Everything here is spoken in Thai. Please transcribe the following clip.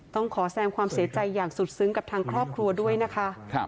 ต้องขอแสงความเสียใจอย่างสุดซึ้งกับทางครอบครัวด้วยนะคะ